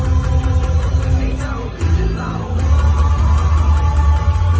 มันเป็นเมื่อไหร่แล้ว